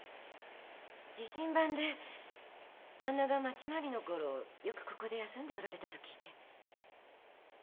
自身番で旦那が町廻りの頃よくここで休んでおられたと聞いて。